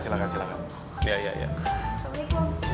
waalaikumsalam warahmatullahi wabarakatuh